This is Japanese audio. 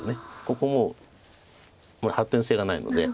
ここもう発展性がないので。